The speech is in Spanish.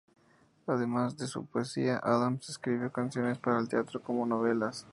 Además de su poesía, Adams escribió canciones para el teatro como novelas.